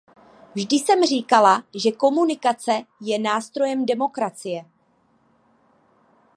Vždy jsem říkala, že komunikace je nástrojem demokracie.